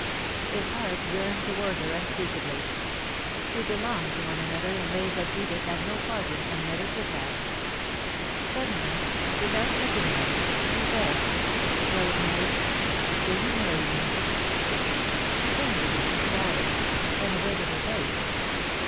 _" His heart yearned toward her unspeakably. They belonged to one another in ways that Edith had no part in and never could have. Suddenly, without looking at her, he said: "Rosemary, will you marry me?" [Sidenote: What For?] She turned to him, startled, then averted her face.